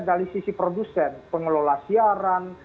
dari sisi produsen pengelola siaran